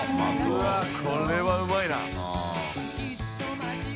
うわこれはうまいな。